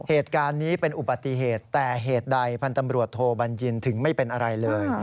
เหตุการณ์นี้เป็นอุบัติเหตุแต่เหตุใดพันธุ์ตำรวจโทบัญญินถึงไม่เป็นอะไรเลย